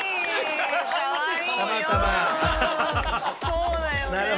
そうだよね。